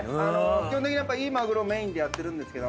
基本的にいいマグロメインでやってるんですけど。